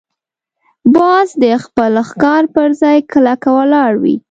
باز د خپل ښکار پر ځای کلکه ولاړ وي